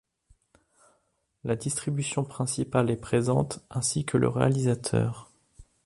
La distribution principale est présente, ainsi que le réalisateur.